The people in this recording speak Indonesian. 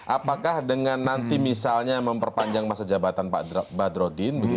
apakah dengan nanti misalnya memperpanjang masa jabatan pak badrodin